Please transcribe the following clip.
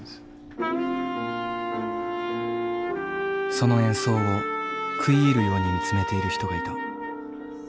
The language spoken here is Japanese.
その演奏を食い入るように見つめている人がいた。